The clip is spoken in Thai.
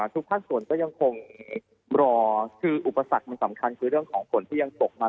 ทุกภาคส่วนก็ยังคงรอคืออุปสรรคมันสำคัญคือเรื่องของฝนที่ยังตกมา